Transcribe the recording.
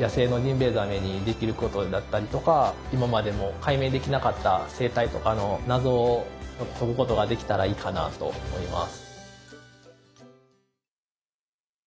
野生のジンベエザメにできることだったりとか今までも解明できなかった生態とかの謎を解くことができたらいいかなと思います。